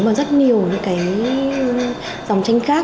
mà rất nhiều những cái dòng tranh khác